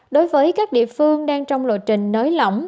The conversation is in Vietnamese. đối với các địa phương đang trong lộ trình nới lỏng